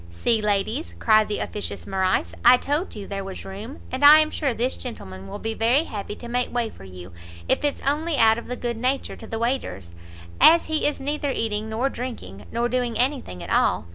"See, ladies," cried the officious Morrice, "I told you there was room; and I am sure this gentleman will be very happy to make way for you, if it's only out of good nature to the waiters, as he is neither eating nor drinking, nor doing any thing at all.